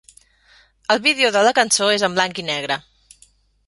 El vídeo de la cançó és en blanc i negre.